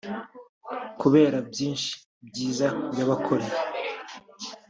kubera byinshi byiza yabakoreye